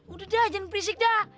udah dah jangan berisik dah